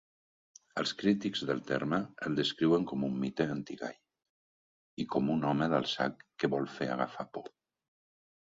Els crítics del terme el descriuen com un mite antigai, i com un home del sac que vol fer agafar por.